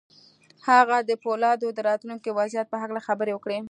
هغه د پولادو د راتلونکي وضعیت په هکله خبرې وکړې